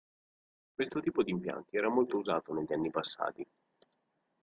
Questo tipo di impianti era molto usato negli anni passati.